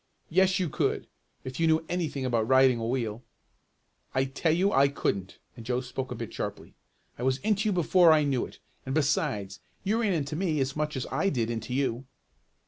"Yes you could, if you knew anything about riding a wheel." "I tell you I couldn't," and Joe spoke a bit sharply. "I was into you before I knew it. And besides, you ran into me as much as I did into you."